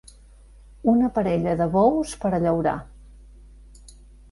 Una parella de bous per a llaurar.